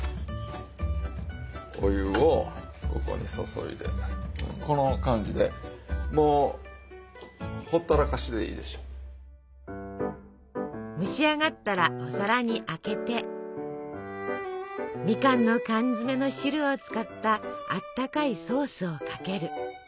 お湯をここに注いでこの感じでもう蒸し上がったらお皿にあけてみかんの缶詰の汁を使ったあったかいソースをかける。